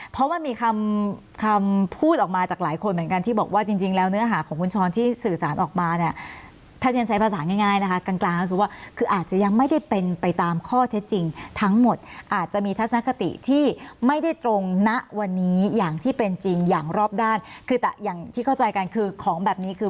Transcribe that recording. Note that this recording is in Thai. เพราะว่ามีคำคำพูดออกมาจากหลายคนเหมือนกันที่บอกว่าจริงแล้วเนื้อหาของคุณช้อนที่สื่อสารออกมาเนี่ยถ้าเรียนใช้ภาษาง่ายนะคะกลางกลางก็คือว่าคืออาจจะยังไม่ได้เป็นไปตามข้อเท็จจริงทั้งหมดอาจจะมีทัศนคติที่ไม่ได้ตรงณวันนี้อย่างที่เป็นจริงอย่างรอบด้านคือแต่อย่างที่เข้าใจกันคือของแบบนี้คือ